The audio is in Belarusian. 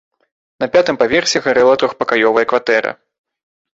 На пятым паверсе гарэла трохпакаёвая кватэра.